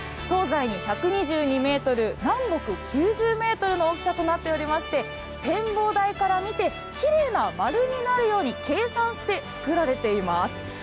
東西に１２２ｍ、南北９０ｍの大きさとなっておりまして展望台から見て、きれいな丸になるように計算して作られています。